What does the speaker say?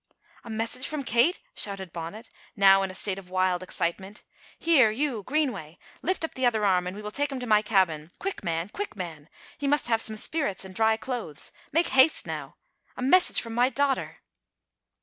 "A message from Kate!" shouted Bonnet, now in a state of wild excitement. "Here you, Greenway, lift up the other arm, and we will take him to my cabin. Quick, man! Quick, man! he must have some spirits and dry clothes. Make haste now! A message from my daughter!"